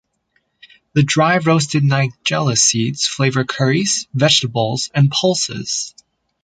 The dry-roasted nigella seeds flavor curries, vegetables and pulses.